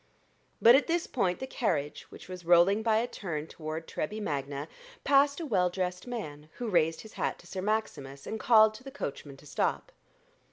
But at this point the carriage, which was rolling by a turn toward Treby Magna, passed a well dressed man, who raised his hat to Sir Maximus, and called to the coachman to stop.